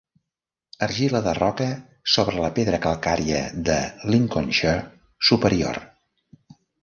Argila de roca sobre la pedra calcària de Lincolnshire superior.